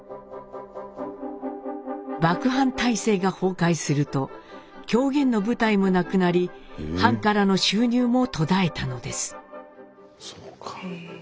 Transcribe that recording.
幕藩体制が崩壊すると狂言の舞台もなくなり藩からの収入も途絶えたのです。